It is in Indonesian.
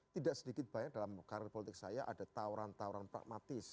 tidak sedikit banyak dalam karir politik saya ada tawaran tawaran pragmatis